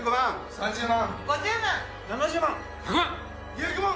２００万！